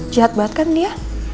jahat banget kan dia